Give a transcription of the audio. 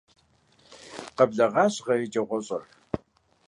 Къэблэгъащ гъэ еджэгъуэщIэр.